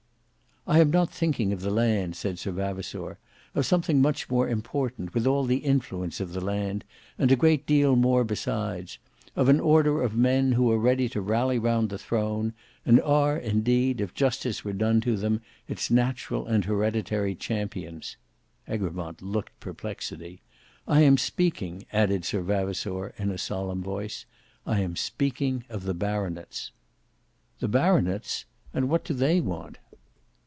"I am not thinking of the land," said Sir Vavasour; "of something much more important; with all the influence of the land, and a great deal more besides; of an order of men who are ready to rally round the throne, and are, indeed, if justice were done to them, its natural and hereditary champions (Egremont looked perplexity); I am speaking," added Sir Vavasour, in a solemn voice, "I am speaking of the baronets." "The baronets! And what do they want?"